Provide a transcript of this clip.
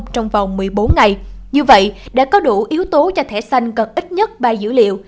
trong vòng một mươi bốn ngày như vậy đã có đủ yếu tố cho thẻ xanh cần ít nhất ba dữ liệu